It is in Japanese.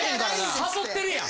誘ってるやん！